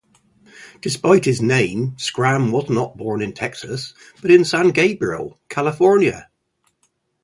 Despite his name, Schramm was not born in Texas, but in San Gabriel, California.